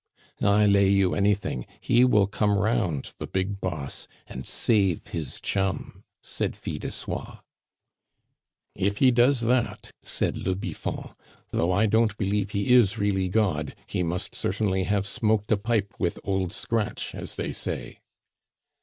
"I lay you anything, he will come round the big Boss and save his chum!" said Fil de Soie. "If he does that," said le Biffon, "though I don't believe he is really God, he must certainly have smoked a pipe with old Scratch, as they say."